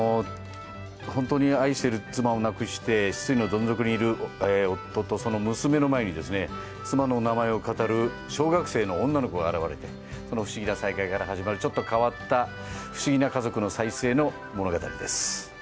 本当に愛している妻を亡くして、失意のどん底にいる夫とその娘の前に妻の名前をかたる小学生の女の子が表れて、不思議な再会から始まるちょっと変わった家族の再生の物語です。